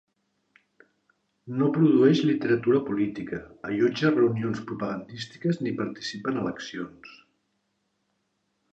No produeix literatura política, allotja reunions propagandístiques ni participa en eleccions.